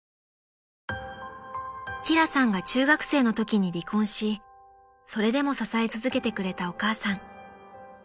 ［輝さんが中学生のときに離婚しそれでも支え続けてくれたお母さん］